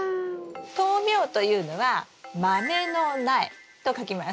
豆苗というのは豆の苗と書きますはい。